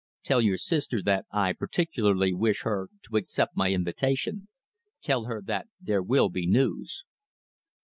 Tell your sister that I particularly wish her to accept my invitation. Tell her that there will be news."